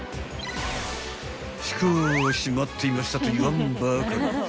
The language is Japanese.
［しかし待っていましたと言わんばかり］